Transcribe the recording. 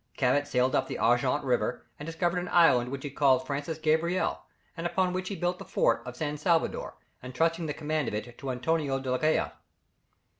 Cabot sailed up the Argent River, and discovered an island which he called Francis Gabriel, and upon which he built the fort of San Salvador, entrusting the command of it to Antonio de Grajeda.